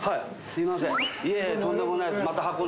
すいません。